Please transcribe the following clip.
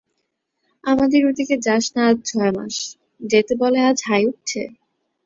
আমাদের ওদিকে যাস না আজ ছ মাস, যেতে বলায় আজ হাই উঠছে?